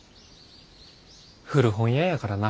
古本屋やからな。